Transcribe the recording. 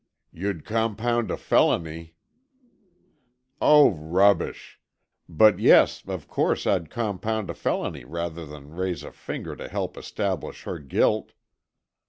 "You'd compound a felony——" "Oh, rubbish! But, yes, of course, I'd compound a felony rather than raise a finger to help establish her guilt."